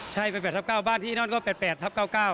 ใช่เป็น๘ทับ๙บ้านที่นั่นก็๘๘ทับ๙๙